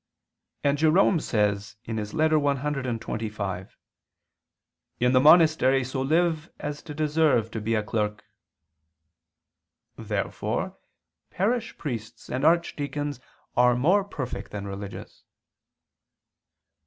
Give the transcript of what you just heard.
And Jerome says (Ad Rustic. Monach., Ep. cxxv): "In the monastery so live as to deserve to be a clerk." Therefore parish priests and archdeacons are more perfect than religious.